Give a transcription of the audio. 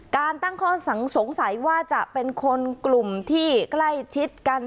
ตั้งข้อสังสงสัยว่าจะเป็นคนกลุ่มที่ใกล้ชิดกัน